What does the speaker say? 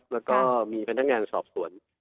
แล้วก็มีพนักงานสอบสวน